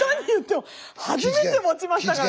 初めて持ちましたから。